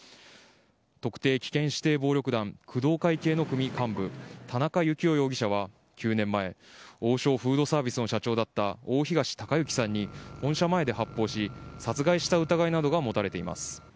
特定危険指定暴力団工藤会系の組幹部田中幸雄容疑者は９年前王将フードサービスの社長だった大東隆行さんに本社前で発砲し殺害した疑いなどが持たれています。